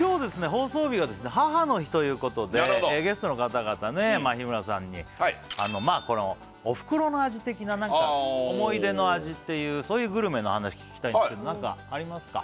放送日が母の日ということでゲストの方々日村さんにおふくろの味的な何か思い出の味っていうそういうグルメの話聞きたいんですけど何かありますか？